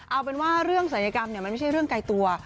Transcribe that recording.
เอาเป็นว่าเรื่องศัลยกรรมมันไม่ใช่เรื่องไกลตัว